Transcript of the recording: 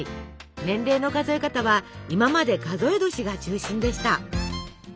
年齢の数え方は今まで数え年が中心でした。